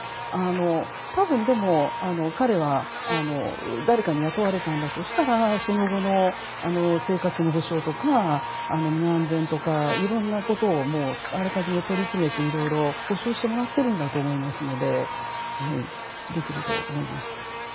多分、彼は誰かに雇われたんだとしたらその後の生活の保障とか身の安全とか、いろんなことをあらかじめて取り決めて保障してもらっているんだと思いますのでできると思います。